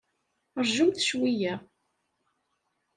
Rjumt cweyya!